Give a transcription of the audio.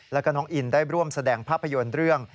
แล้วก็น้องอินได้ร่วมแสดงภาพยนตร์เรื่อง